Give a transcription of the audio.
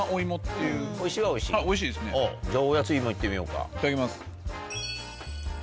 いただきます。